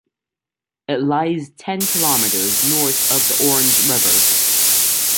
It lies ten kilometres north of the Orange River.